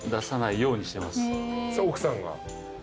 奥さんが？